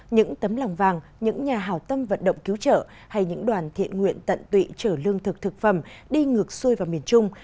những tấm lòng vàng những nhà hào tâm vận động cứu trợ hay những đoàn thiện nguyện tận tụy trở lương thực thực phẩm đi ngược xuôi vào miền trung